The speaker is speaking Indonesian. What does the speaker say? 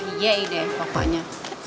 yeay deh pokoknya